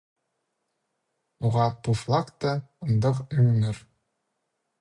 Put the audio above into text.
Ноға пу флагта андағ ӧңнер?